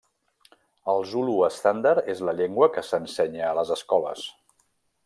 El zulu estàndard és la llengua que s'ensenya a les escoles.